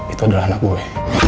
itu adalah anak gue